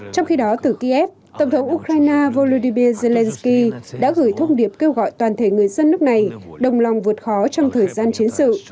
trong khi đó từ kiev tổng thống ukraine volodymyr zelensky đã gửi thông điệp kêu gọi toàn thể người dân nước này đồng lòng vượt khó trong thời gian chiến sự